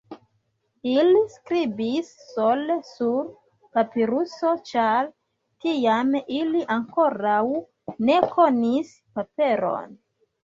Ili skribis sole sur papiruso, ĉar tiam ili ankoraŭ ne konis paperon.